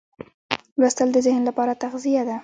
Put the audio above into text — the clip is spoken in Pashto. لوستل د ذهن لپاره تغذیه ده.